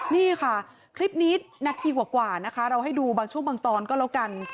นี่ค่ะคลิปนี้นาทีกว่านะคะเราให้ดูบางช่วงบางตอนก็แล้วกัน